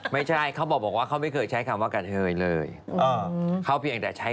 มีการวิพากษ์วิจารณ์คุณเอกกับชัย